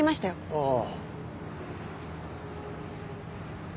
ああ。